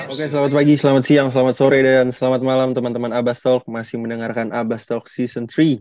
oke selamat pagi selamat siang selamat sore dan selamat malam teman teman abbastolk masih mendengarkan abbas talk season tiga